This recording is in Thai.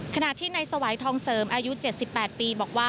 ขณะที่ในสวายทองเสิร์มอายุเต็ม